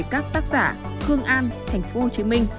các tác giả khương an tp hcm